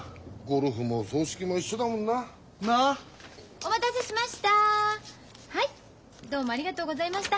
お待たせしました。